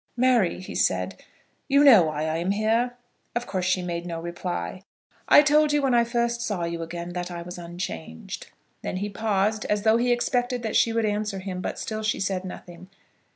"Mary," he said, "you know why I am here." Of course she made no reply. "I told you when I first saw you again that I was unchanged." Then he paused, as though he expected that she would answer him, but still she said nothing.